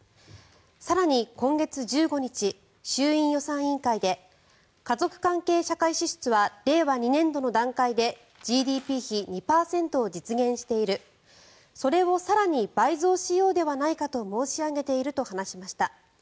更に、今月１５日衆院予算委員会で家族関係社会支出は令和２年度の段階でＧＤＰ比２％を実現しているそれを更に倍増しようではないかと申し上げていると話しました。